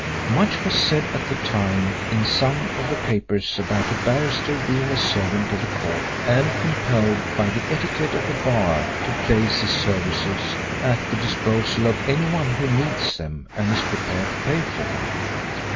Much was said at the time in some of the papers about a barrister being a servant of the court and compelled by the etiquette of the bar to place his services at the disposal of anyone who needs them and is prepared to pay for them.